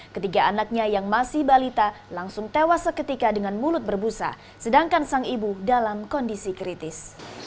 ketiga anaknya yang masih balita langsung tewas seketika dengan mulut berbusa sedangkan sang ibu dalam kondisi kritis